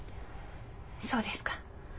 そうですか。